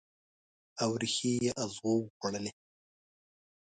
او ریښې یې اغزو وخوړلي